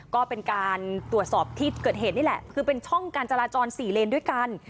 ก็เป็นการตรวจสอบที่เกิดเหตุนี่แหละคือเป็นช่องการจราจร๔เลนด้วยกัน